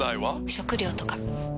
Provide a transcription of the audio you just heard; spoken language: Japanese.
食料とか？